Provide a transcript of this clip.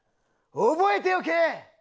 覚えておけ！